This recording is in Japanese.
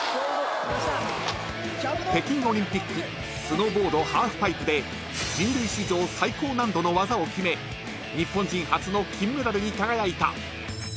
［北京オリンピックスノーボードハーフパイプで人類史上最高難度の技を決め日本人初の金メダルに輝いた］